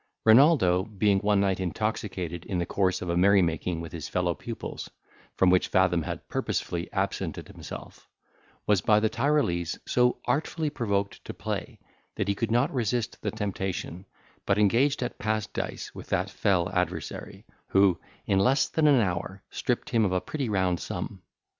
Renaldo being one night intoxicated in the course of a merry making with his fellow pupils, from which Fathom had purposely absented himself, was by the Tyrolese so artfully provoked to play, that he could not resist the temptation, but engaged at passdice with that fell adversary, who, in less than an hour, stripped him of a pretty round sum.